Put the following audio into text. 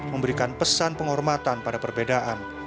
memberikan pesan penghormatan pada perbedaan